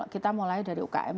kita mulai dari ukm